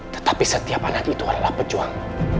tetapi setiap anak itu adalah pejuang